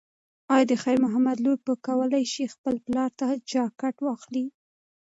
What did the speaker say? ایا د خیر محمد لور به وکولی شي خپل پلار ته جاکټ واخلي؟